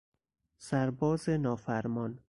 سرباز نافرمان